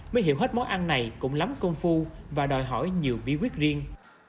mới hiểu hết món ăn này cũng lắm công phu và đòi hỏi nhiều bí quyết riêng